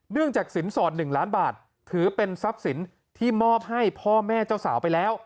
จากสินสอด๑ล้านบาทถือเป็นทรัพย์สินที่มอบให้พ่อแม่เจ้าสาวไปแล้ว